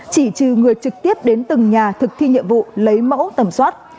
chỉ trừ người trực tiếp đến từng nhà thực thi nhiệm vụ lấy mẫu tầm soát